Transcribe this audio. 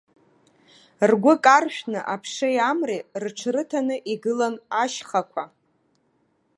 Ргәы каршәны аԥшеи амреи рыҽрыҭаны игылан ашьхақәа.